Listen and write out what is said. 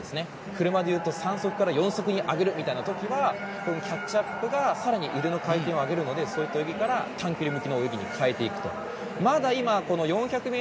車でいうと３速から４速に上げるという時はキャッチアップが更に腕の回転を上げるのでそういう泳ぎから短距離向きの泳ぎに変えていくと。